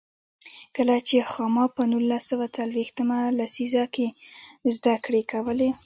کله چې خاما په نولس سوه څلوېښت مه لسیزه کې زده کړې کولې.